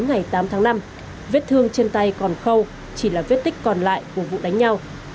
trong cuộc hỗn chiến ngày tám tháng năm vết thương trên tay còn khâu chỉ là vết tích còn lại của vụ đánh nhau